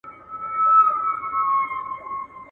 نه به شرنګ د آدم خان ته درخانۍ کي پلو لیري.